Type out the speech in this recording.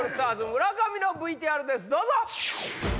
村上のＶＴＲですどうぞ。